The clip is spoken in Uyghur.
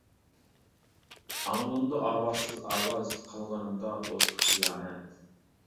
ئاڭلىنىدۇ ئاۋازسىز ئاۋاز، قىلغىنىمدا دوستقا خىيانەت.